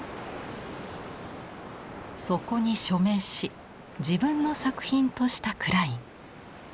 そこに署名し自分の作品としたクライン。